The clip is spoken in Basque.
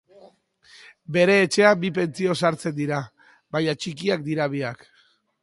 Bere etxean bi pentsio sartzen dira, baina txikiak dira biak.